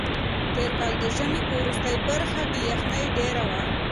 تېر کال د ژمي په وروستۍ برخه کې یخنۍ ډېره وه.